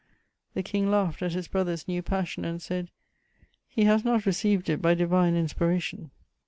The King laughed at his brother's new passion, and said: "He has not received it by divine inspiration."